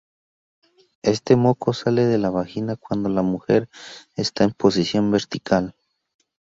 Este moco sale de la vagina cuando la mujer está en posición vertical.